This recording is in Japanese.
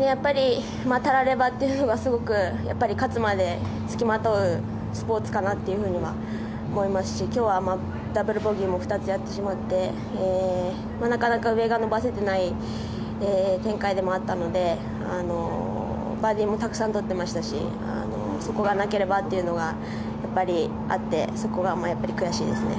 やっぱりたらればというのは勝つまで付きまとうスポーツかなとは思いますし今日はダブルボギーも２つやってしまってなかなか上が伸ばせていない展開でもあったのでバーディーもたくさん取ってましたしそこがなければというのがやっぱりあってそこが悔しいですね。